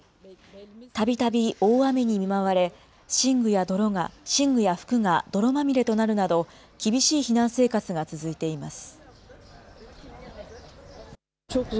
たびたび大雨に見舞われ、寝具や服が泥まみれとなるなど、厳しい避難生活が続いています。